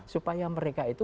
supaya mereka itu